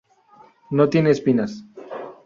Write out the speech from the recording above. No tiene espinas.